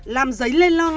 làm giấy lên lo ngang